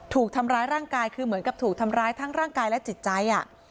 ถูกทำร้ายร่างกายคือเหมือนกับถูกทำร้ายทั้งร่างกายและจิตใจ